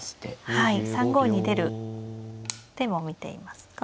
はい３五に出る手も見ていますか。